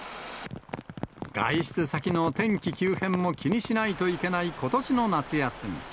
外出先の天気急変も気にしないといけないことしの夏休み。